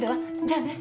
じゃあね。